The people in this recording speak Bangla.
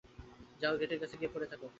যাও গেটের কাছে গিয়ে দাঁড়িয়ে থাক।